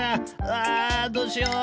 うわどうしよう！